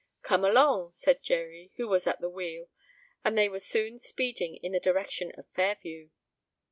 "Come along," said Jerry, who was at the wheel; and they were soon speeding in the direction of Fairview.